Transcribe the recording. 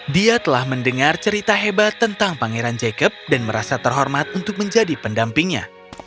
dia telah mendengar cerita hebat tentang pangeran jacob dan merasa terhormat untuk menjadi pendampingnya